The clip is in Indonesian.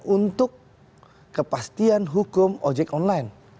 untuk kepastian hukum ojek online